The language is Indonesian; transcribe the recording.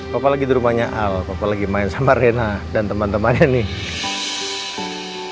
papa lagi di rumahnya al papa lagi main sama rena dan teman temannya nih